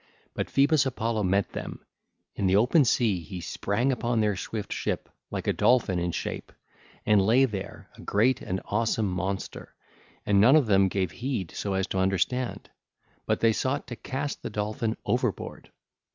But Phoebus Apollo met them: in the open sea he sprang upon their swift ship, like a dolphin in shape, and lay there, a great and awesome monster, and none of them gave heed so as to understand 2511; but they sought to cast the dolphin overboard.